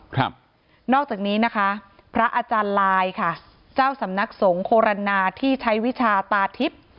ครับนอกจากนี้นะคะพระอาจารย์ลายค่ะเจ้าสำนักสงฆรณาที่ใช้วิชาตาทิพย์